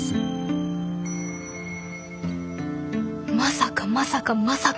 まさかまさかまさか。